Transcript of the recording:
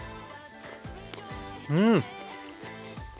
うん！